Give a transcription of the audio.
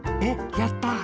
やった！